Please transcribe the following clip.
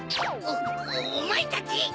おまえたち。